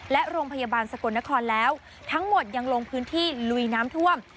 และโรงพยาบาลสกลนครแล้วทั้งหมดยังลงพื้นที่ลุยน้ำท่วม